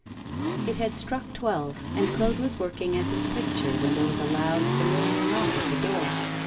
II IT had struck twelve, and Claude was working at his picture when there was a loud, familiar knock at the door.